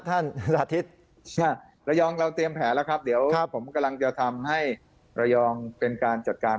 ท่านธนาทิศระยองเราเตรียมแผนแล้วครับเดี๋ยวผมกำลังจะทำให้ระยองเป็นการจัดการ